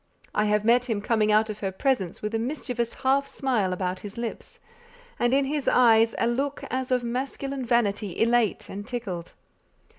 I have met him coming out of her presence with a mischievous half smile about his lips, and in his eyes a look as of masculine vanity elate and tickled.